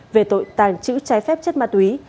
về tội tàn chữ trái phép chất ma túy